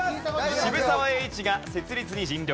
渋沢栄一が設立に尽力。